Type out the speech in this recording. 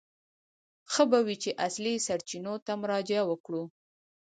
ښه به وي چې اصلي سرچینو ته مراجعه وکړو.